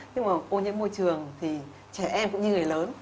nhưng mà ô nhiễm môi trường thì trẻ em cũng như người lớn